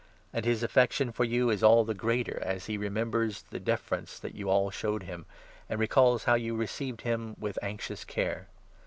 And his affection for you is all the greater, as he 15 remembers the deference that you all showed him, and recalls how you received him with anxious care.